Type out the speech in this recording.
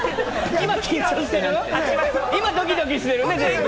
今ドキドキしてる？